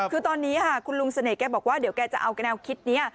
คือตอนนี้คุณลุงเสน่หแกบอกว่าเดี๋ยวแกจะเอาแนวคิดนี้